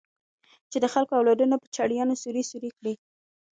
چې د خلکو اولادونه په چړيانو سوري سوري کړي.